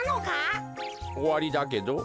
おわりだけど？